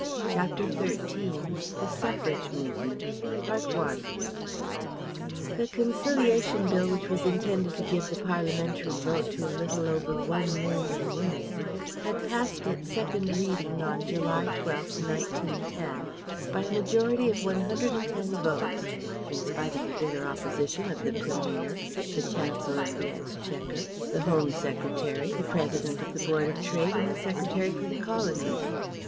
CHAPTER XIII THE SUFFRAGE MOVEMENT The Conciliation Bill which was intended to give the Parliamentary Vote to a little over one million women had passed its Second reading on July 12, 1910, by a majority of 110 votes; in spite of the bitter opposition of the Premier, the Chancellor of the Exchequer, the Home Secretary, the President of the Board of Trade, and the Secretary for the Colonies.